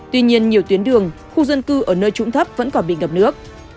tuy nhiên nhiều tuyến đường khu dân cư ở nơi trụng thấp vẫn còn bị ngập nước